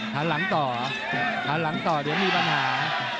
หันหลังต่อหันหลังต่อเดี๋ยวมีปัญหา